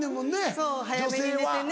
そう早めに寝てね。